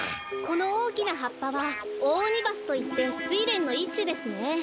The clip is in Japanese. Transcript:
このおおきなはっぱはオオオニバスといってスイレンのいっしゅですね。